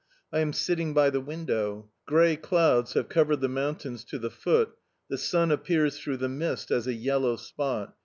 I am sitting by the window. Grey clouds have covered the mountains to the foot; the sun appears through the mist as a yellow spot.